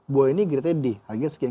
buah ini gradenya d harganya sekian